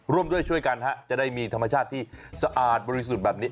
ร่วมด้วยช่วยกันฮะจะได้มีธรรมชาติที่สะอาดบริสุทธิ์แบบนี้